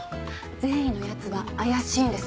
善意の奴は怪しいんです。